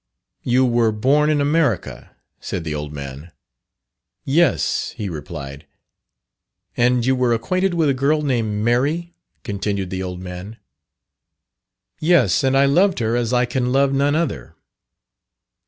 "You were born in America," said the old man. "Yes," he replied. "And you were acquainted with a girl named Mary," continued the old man. "Yes, and I loved her as I can love none other."